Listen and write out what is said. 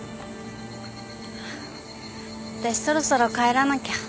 私そろそろ帰らなきゃ。